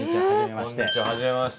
こんにちははじめまして。